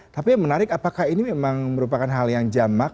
tapi yang menarik apakah ini memang merupakan hal yang jamak